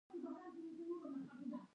له مشابه پېښو سره باید ورته چلند وشي.